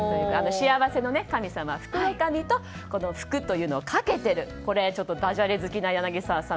幸せの神様、福の神と拭くというのをかけているこれ、ダジャレ好きな柳澤さん。